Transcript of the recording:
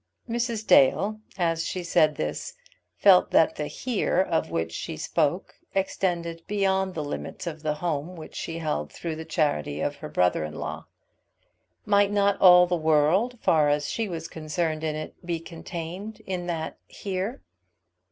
Mrs. Dale as she said this felt that the "here" of which she spoke extended beyond the limits of the home which she held through the charity of her brother in law. Might not all the world, as far as she was concerned in it, be contained in that "here"?